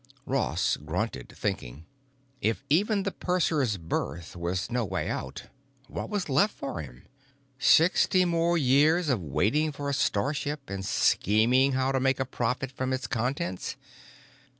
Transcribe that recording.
Ross grunted, thinking. If even the purser's berth was no way out, what was left for him? Sixty more years of waiting for a starship and scheming how to make a profit from its contents?